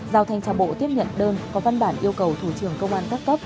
giao thành trả bộ tiếp nhận đơn có văn bản yêu cầu thủ trưởng công an các cấp